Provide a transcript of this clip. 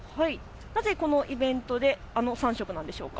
なぜこのイベントであの３色なんでしょうか。